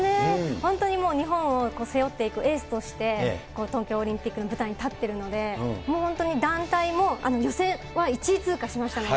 本当にもう、日本を背負っていくエースとして、東京オリンピックの舞台に立ってるので、本当に団体も予選は１位通過しましたので。